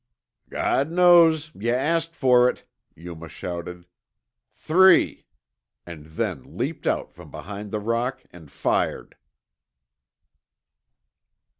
"God knows, yuh asked fer it." Yuma shouted, "Three!" and then leaped out from behind the rock and fired.